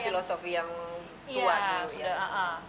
filosofi yang tua